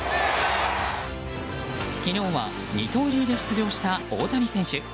昨日は二刀流で出場した大谷選手。